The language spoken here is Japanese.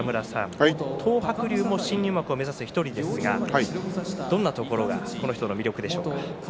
東白龍も新入幕を目指す１人ですがどんなところがこの人の魅力でしょうか？